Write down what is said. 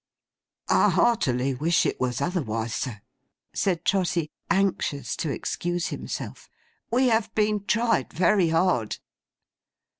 'I heartily wish it was otherwise, sir,' said Trotty, anxious to excuse himself. 'We have been tried very hard.